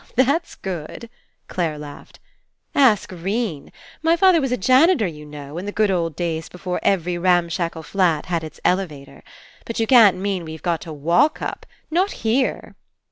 'That's good!" Clare laughed. "Ask 'Rene. My father was a janitor, you know. In the good old days before every ramshackle flat had Its elevator. But you can't mean we've got to walk up ? Not here